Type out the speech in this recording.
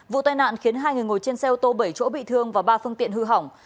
vụ tai nạn khiến hai người ngồi trên xe ô tô bảy chỗ bị thương và ba phương tiện hư hỏng